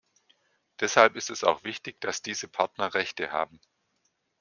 Deshalb ist es auch wichtig, dass diese Partner Rechte haben.